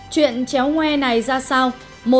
chuyện chéo ngoe này ra sao